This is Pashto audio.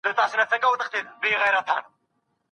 په لویه جرګه کي د بهرنیو مېلمنو لپاره د ژباړونکو ځای چېرته دی؟